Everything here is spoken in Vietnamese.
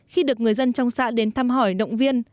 khi được người dân trong xã đến thăm hỏi động viên